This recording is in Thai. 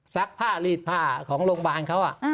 ผ้ารีดผ้าของโรงพยาบาลเขา